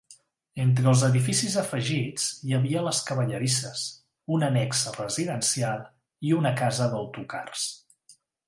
Entre els edificis afegits hi havia les cavallerisses, un annex residencial i una casa d'autocars.